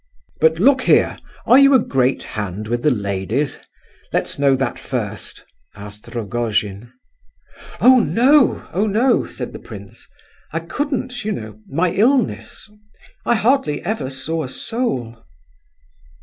"But, look here, are you a great hand with the ladies? Let's know that first?" asked Rogojin. "Oh no, oh no!" said the prince; "I couldn't, you know—my illness—I hardly ever saw a soul."